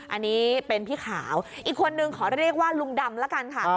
อันนี้เป็นพี่ขาวอีกคนนึงขอเรียกว่าลุงดำละกันค่ะ